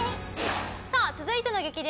さあ続いての激